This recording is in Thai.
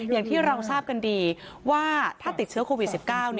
อย่างที่เราทราบกันดีว่าถ้าติดเชื้อโควิด๑๙